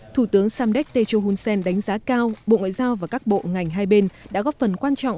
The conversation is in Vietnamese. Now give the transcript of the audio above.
thủ tướng samdek techo hun sen đánh giá cao bộ ngoại giao và các bộ ngành hai bên đã góp phần quan trọng